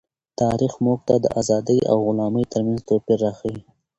تاریخ موږ ته د آزادۍ او غلامۍ ترمنځ توپیر راښيي.